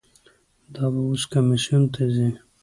دا به اوس کمیسیون ته ځي.